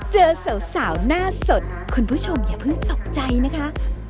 เจอสาวหน้าสดคุณผู้ชมอย่าเพิ่งตกใจนะคะ